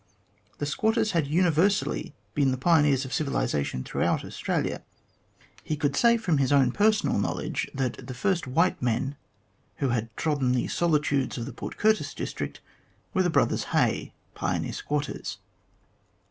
The squatters had universally been the pioneers of civilisa tion throughout Australia, He could say from his own personal knowledge, that the first white men who had trodden the solitudes of the Port Curtis district were the brothers Hay, pioneer squatters.